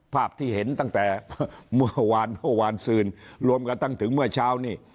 ภาพที่เห็นตั้งแต่เมื่อวานเมื่อวานซืนรวมกระทั่งถึงเมื่อเช้านี้